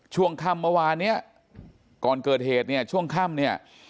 ช่วงค่ำเมื่อวานเนี่ยก่อนเกิดเหตุเนี่ยช่วงค่ำเนี่ย